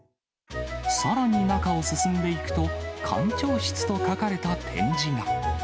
さらに中を進んでいくと、館長室と書かれた展示が。